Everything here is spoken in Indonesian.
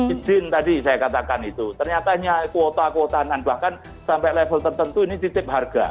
izin tadi saya katakan itu ternyatanya kuota kuotaan bahkan sampai level tertentu ini titip harga